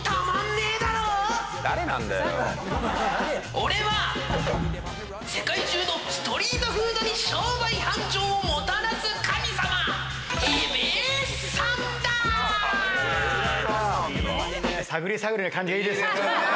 俺は世界中のストリートフードに商売繁盛をもたらす神様えべっさんだいいね